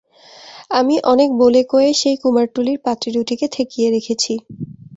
আমি অনেক বলে কয়ে সেই কুমারটুলির পাত্রীদুটিকে ঠেকিয়ে রেখেছি।